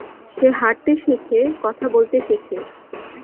সে হাঁটতে শেখে, কথা বলতে শেখে।